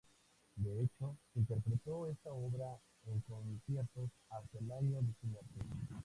De hecho, interpretó esta obra en conciertos hasta el año de su muerte.